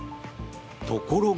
ところが。